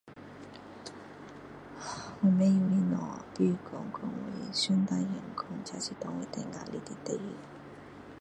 我不知道的东西比如说叫我上台讲这是给我最压力的事情